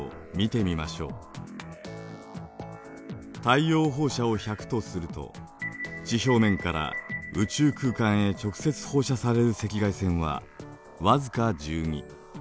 太陽放射を１００とすると地表面から宇宙空間へ直接放射される赤外線は僅か１２。